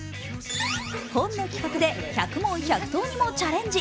本の企画で１００問１００答にもチャレンジ。